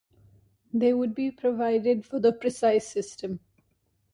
They would be provided for the precise system.